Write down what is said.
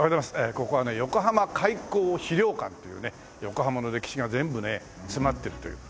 ここはね横浜開港資料館というね横浜の歴史が全部ね詰まってるという。